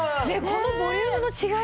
このボリュームの違い